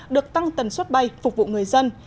được tăng tần suất bay phục vụ người dân